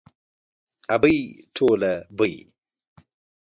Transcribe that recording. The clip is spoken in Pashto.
ابۍ ټوله بۍ.